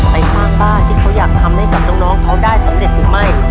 สร้างบ้านที่เขาอยากทำให้กับน้องเขาได้สำเร็จหรือไม่